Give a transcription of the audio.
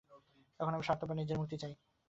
এখন আমি স্বার্থপর, নিজের মুক্তি চাই।